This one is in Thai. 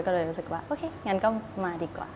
ก็เลยรู้สึกว่าโอเคงั้นก็มาดีกว่า